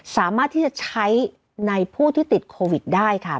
สามารถที่จะใช้ในผู้ที่ติดโควิดได้ค่ะ